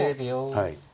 はい。